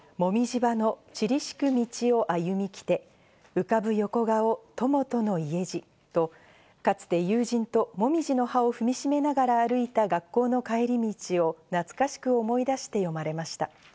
愛子さまは「もみぢ葉の散り敷く道を歩みきて浮かぶ横顔友との家路」とかつて友人と紅葉の葉を踏みしめながら歩いた学校の帰り道を懐かしく思い出して詠まれました。